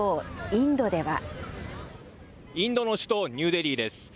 インドの首都ニューデリーです。